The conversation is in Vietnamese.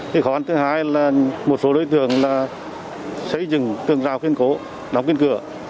khó khăn thứ hai là một số đối tượng xây dựng tường rào khuyên cố đóng kênh cửa